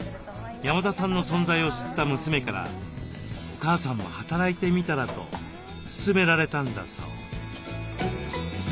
山田さんの存在を知った娘からお母さんも働いてみたら？と勧められたんだそう。